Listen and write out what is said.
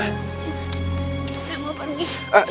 nek mau pergi